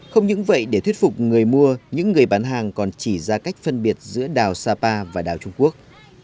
không những vậy để thuyết phục người mua những người bán hàng còn chỉ ra cách phân biệt giữa đảo sapa và đảo trung quốc